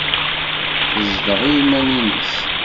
Tezdeɣ i yiman-nnes.